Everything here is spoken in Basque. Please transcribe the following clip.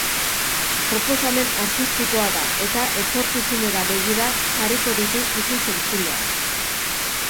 Proposamen artistikoa da eta etorkizunera begira jarriko ditu ikus-entzuleak.